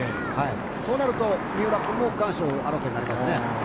そうなると、三浦君も区間賞争いになりますね。